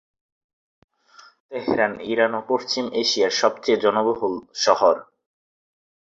Tehran Iran ও পশ্চিম এশিয়ায় সবচেয়ে জনবহুল শহর।